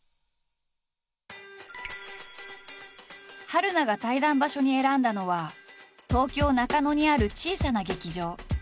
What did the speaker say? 春菜が対談場所に選んだのは東京中野にある小さな劇場。